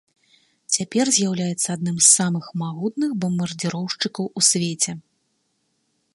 Цяпер з'яўляецца адным з самых магутных бамбардзіроўшчыкаў у свеце.